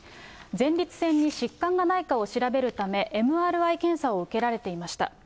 前立腺に疾患がないかを調べるため、ＭＲＩ検査を受けられていました。